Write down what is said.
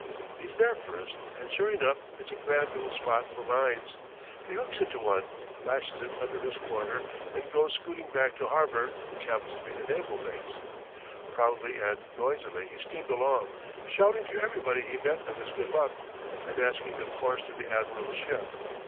He's there first, and sure enough it's a grand little spot for mines. He hooks into one, lashes it under his quarter and goes scooting back to harbor, which happens to be the naval base. Proudly and noisily he steamed along, shouting to everybody he met of his good luck, and asking the course to the admiral's ship.